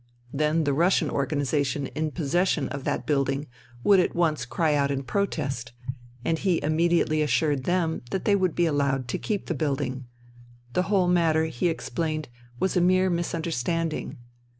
Then the Russian organization in possession of that building would at once cry out in protest ; and he immediately assured them that they would be allowed to keep the building: the whole matter, he explained, was a mere misunderstanding.